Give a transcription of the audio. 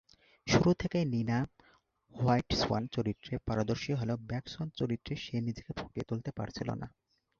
শুরু থেকেই Nina "white swan" চরিত্রে পারদর্শী হলেও "ব্ল্যাক সোয়ান" চরিত্রে সে নিজেকে ফুটিয়ে তুলতে পারছিল না।